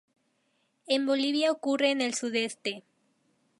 En Bolivia ocurre en el sudeste.